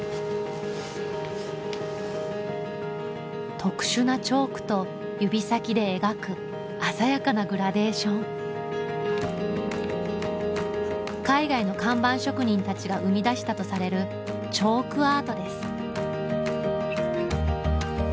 特殊なチョークと指先で描く鮮やかなグラデーション海外の看板職人たちが生み出したとされるチョークアートです